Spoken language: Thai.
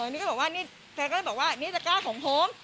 นี่ก็บอกว่านี่แฟนก็เลยบอกว่านี่ตะก้าของผม